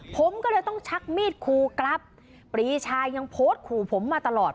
ผมก็เลยต้องชักมีดครูกลับปรีชายังโพสต์ขู่ผมมาตลอด